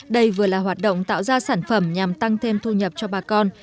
đây vừa là hoạt động tạo ra sản phẩm nhằm tăng thêm thu nhập cho bà con